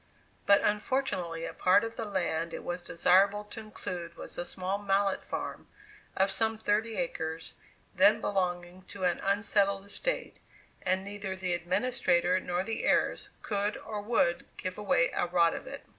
But unfortunately a part of the land it was desirable to include was the small Mallett farm, of some thirty acres, then belonging to an unsettled estate, and neither the administrator nor the heirs could or would give away a rod of it.